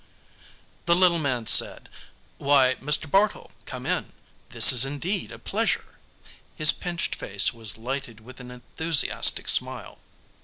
_] The little man said, "Why, Mr. Bartle, come in. This is indeed a pleasure." His pinched face was lighted with an enthusiastic smile.